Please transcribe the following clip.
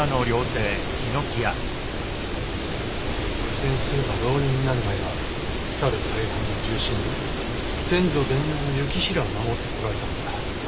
先生は浪人になる前はさる大藩の重臣で先祖伝来の行平を守ってこられたのだ。